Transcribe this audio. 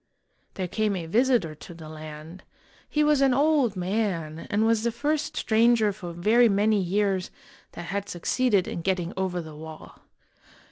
There came a visitor to the land. He was an old man, and was the first stranger for very many years that had succeeded in getting over the wall.